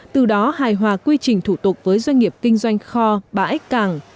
từ đó hài hòa quy trình thủ tục với doanh nghiệp kinh doanh kho ba x cảng